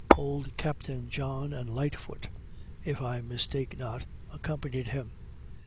Old Captain John, and Lightfoot, if I mistake not, accompanied him.